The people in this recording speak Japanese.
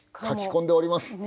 描き込んでおります。